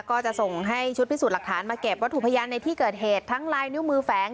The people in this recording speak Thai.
ก็จะส่งให้ชุดพิสูจน์หลักฐานมาเก็บวัตถุพยานในที่เกิดเหตุทั้งลายนิ้วมือแฝง